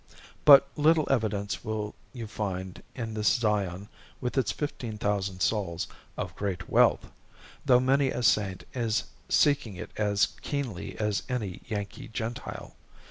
But little evidence will you find in this Zion, with its fifteen thousand souls, of great wealth, though many a Saint is seeking it as keenly as any Yankee Gentile.